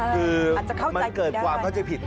คือมันเกิดความเข้าใจผิด